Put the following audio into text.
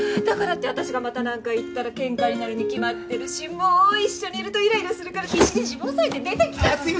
だからって私がまたなんか言ったら喧嘩になるに決まってるしもう一緒にいるとイライラするから必死に自分抑えて出てきたの！